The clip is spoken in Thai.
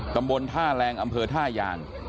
ตำบลท่าแรงอำเภอท่ายาง